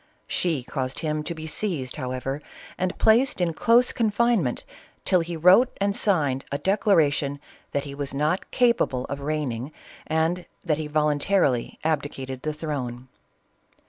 She caused him to be seized, however, and placed in close confinement, till he wrote and signed a declara tion that he was not capable of reigning and that he voluntarily abdicated the throne.